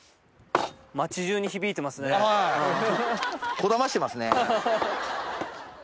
こだましてますね。